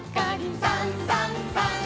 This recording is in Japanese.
「さんさんさん」